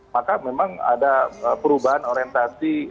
maka memang ada perubahan orientasi yang siksa